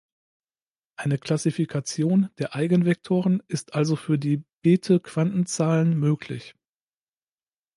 Eine Klassifikation der Eigenvektoren ist also über die Bethe-Quantenzahlen möglich.